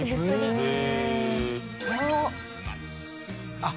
あっ。